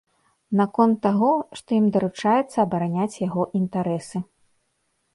Наконт таго, што ім даручаецца абараняць яго інтарэсы.